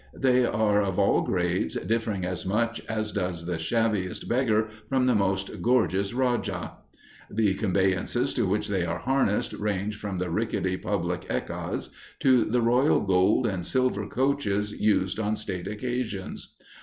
They are of all grades, differing as much as does the shabbiest beggar from the most gorgeous raja. The conveyances to which they are harnessed range from the rickety public ekkas to the royal gold and silver coaches used on state occasions.